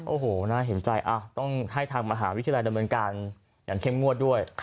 โอ้โหน่าเห็นใจต้องให้ทางมหาวิทยาลัยดำเนินการอย่างเข้มงวดด้วย